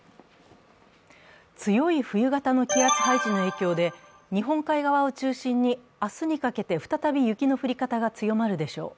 強い冬型の気圧配置の影響で日本海側を中心に明日にかけて再び雪の降り方が強まるでしょう。